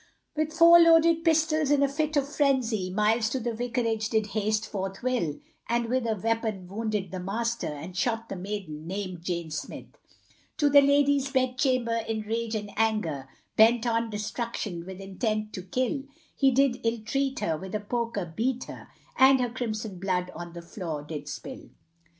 With four loaded pistols, in a fit of frenzy, Miles to the Vicarage did haste forthwith, And with a weapon wounded the master, And shot the maiden, named Jane Smith; To the lady's bedchamber, in rage and anger, Bent on destruction, with intent to kill, He did illtreat her, with a poker beat her, And her crimson blood on the floor did spill.